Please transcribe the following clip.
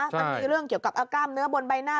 มันมีเรื่องเกี่ยวกับกล้ามเนื้อบนใบหน้า